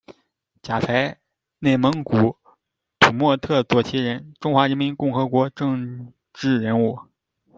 贾才，内蒙古土默特左旗人，中华人民共和国政治人物。